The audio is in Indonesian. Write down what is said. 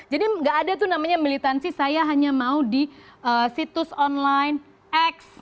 jadi enggak ada tuh namanya militansi saya hanya mau di situs online x